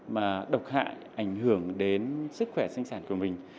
mà độc hại ảnh hưởng đến sức khỏe sinh sản của mình